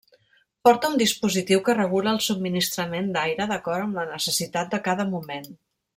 Porta un dispositiu que regula el subministrament d'aire d'acord amb la necessitat de cada moment.